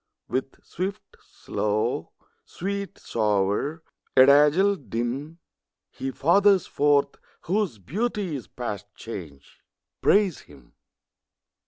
With swift, slow; sweet, sour; adazzle, dim; He fathers forth whose beauty is past change: Praise him.